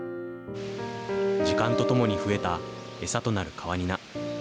時間とともに増えた餌となるカワニナ。